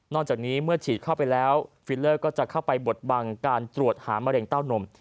จากนี้เมื่อฉีดเข้าไปแล้วฟิลเลอร์ก็จะเข้าไปบดบังการตรวจหามะเร็งเต้านม